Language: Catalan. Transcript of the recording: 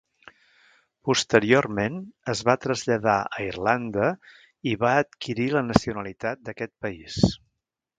Posteriorment es va traslladar a Irlanda i va adquirir la nacionalitat d'aquest país.